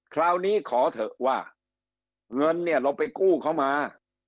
คราวนี้ขอเถอะว่าเงินเนี่ยเราไปกู้เขามา